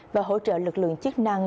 và hỗ trợ lực lượng chức năng